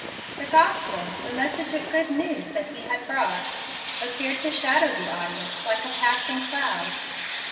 The Gospel the message of good news that he had brought appeared to shadow the audience like a passing cloud.